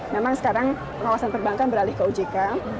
memang sekarang pengawasan perbankan beralih ke ojk